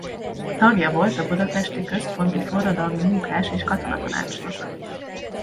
Tagja volt a Budapesti Központi Forradalmi Munkás- és Katonatanácsnak.